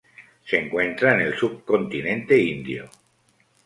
Se encuentra en el subcontinente indio.